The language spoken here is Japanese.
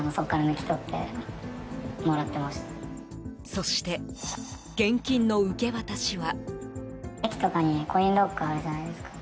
そして、現金の受け渡しは。